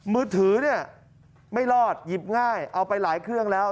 มือถือเนี่ยไม่รอดหยิบง่ายเอาไปหลายเครื่องแล้ว